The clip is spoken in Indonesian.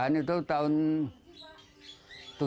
karena kita sudah lari dari engkau dan kamu tahu